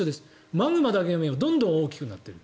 マグマだけが今どんどん大きくなっている。